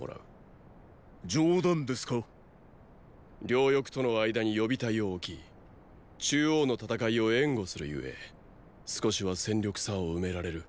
両翼との間に予備隊を置き中央の戦いを援護する故少しは戦力差を埋められる。